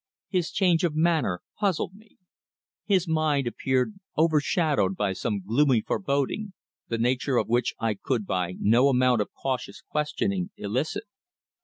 His change of manner puzzled me. His mind appeared overshadowed by some gloomy foreboding, the nature of which I could by no amount of cautious questioning elicit.